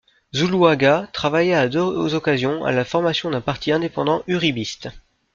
Zuluaga travailla à deux occasions à la formation d'un parti indépendant uribiste.